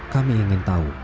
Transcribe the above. kami ingin tahu